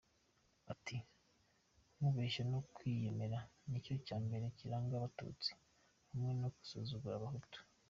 Ati « Kubeshya no kwiyemera nicyo cyambere kiranga abatutsi, hamwe no gusuzugura abahutu.